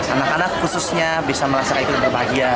anak anak khususnya bisa merasakan berbahagia